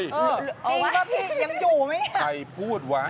จริงกะพี่ยังอยู่ไหมใครพูดวะ